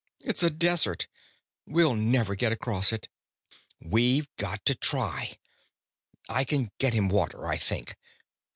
It's a desert; we'll never get across it." "We've got to try. I can get him water, I think.